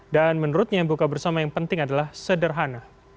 dan menurutnya yang buka bersama yang penting adalah sederhana